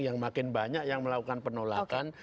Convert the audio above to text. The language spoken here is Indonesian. yang makin banyak yang melakukan penolakan